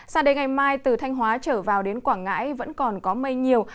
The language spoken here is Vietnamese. sao đến ngày mai từ thanh hóa trở vào đến quảng ngãi vẫn còn có mây nhiều